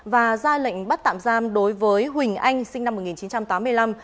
và ra lệnh bắt tạm giam đối với huỳnh anh sinh năm một nghìn chín trăm tám mươi năm